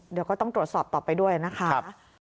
เดี๋ยวก็ต้องตรวจสอบต่อไปด้วยนะคะ